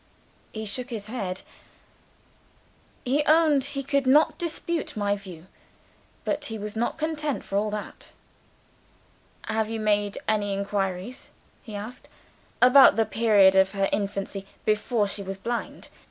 He shook his head; he owned he could not dispute my view. But he was not content for all that. "Have you made any inquiries," he asked, "about the period of her infancy before she was blind?